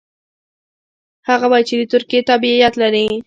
هغه وايي چې د ترکیې تابعیت لري.